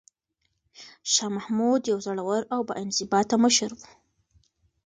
شاه محمود یو زړور او با انضباطه مشر و.